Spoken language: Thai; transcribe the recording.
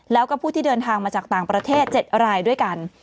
แล้วก็ผู้ที่เดินทางมาจากต่างประเทศ๗รายด้วยกัน